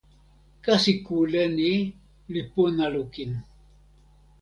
kasi kule ni li pona lukin.